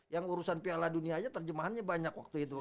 yang urusan piala dunia aja terjemahannya banyak waktu itu